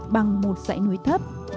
bằng một dãy núi thấp